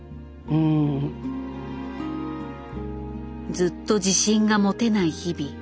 ずっと自信が持てない日々。